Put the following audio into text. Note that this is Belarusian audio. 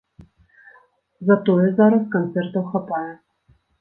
Затое зараз канцэртаў хапае.